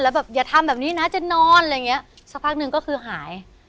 แล้วแบบอย่าทำแบบนี้นะจะนอนอะไรอย่างเงี้ยสักพักหนึ่งก็คือหาย